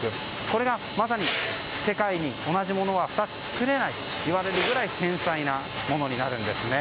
これがまさに世界に同じものは２つ作れないといわれるくらい繊細なものになるんです。